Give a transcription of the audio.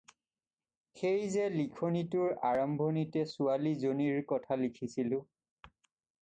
সেই যে লিখনিটোৰ আৰম্ভণিতে ছোৱালী জনীৰ কথা লিখিছিলোঁ।